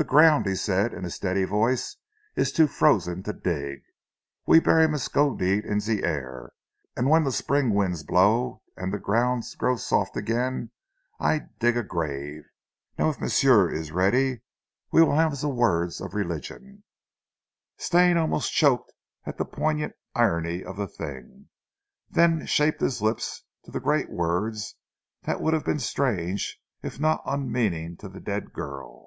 "Zee ground," he said in a steady voice, "ees too frozen to dig. We bury Miskodeed in zee air; an' when zee spring winds blow an' the ground grow soft again, I dig a grave. Now eef m'sieu ees ready we will haf zee words of religion." Stane, almost choked at the poignant irony of the thing, then shaped his lips to the great words that would have been strange if not unmeaning to the dead girl.